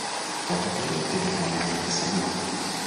Watoto wote wamehesabiwa.